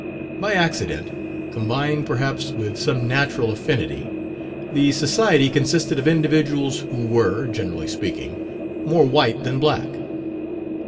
By accident, combined perhaps with some natural affinity, the society consisted of individuals who were, generally speaking, more white than black.